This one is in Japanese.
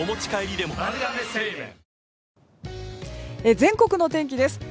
全国の天気です。